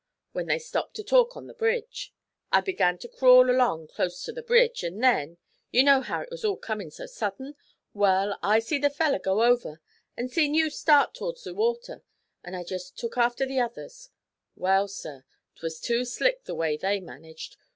When they stopped to talk on the bridge, I begun to crawl along closte to the bridge, an' then you know how it was all comin' so suddin? When I see the feller go over, an' seen you start to'rds the water, I jest took after the others. Well, sir, 'twas too slick the way they managed.